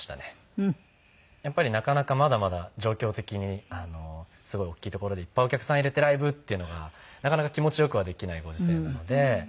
やっぱりなかなかまだまだ状況的にすごい大きい所でいっぱいお客さん入れてライブっていうのがなかなか気持ちよくはできないご時世なので。